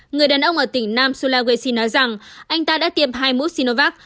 người đàn ông ở tỉnh nam sulawesi nói rằng anh ta đã tiêm hai mũi sinovac